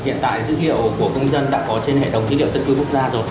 hiện tại dữ liệu của công dân đã có trên hệ thống dữ liệu tư tư quốc gia rồi